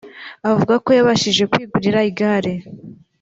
Avuga ko yabashije kwigurira igare